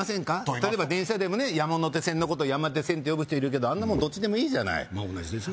例えば電車でもね山手線のこと「やまてせん」って呼ぶ人いるけどあんなもんどっちでもいいまあ同じですね